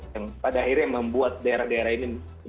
yang pada akhirnya membuat daerah daerah ini menjadi ya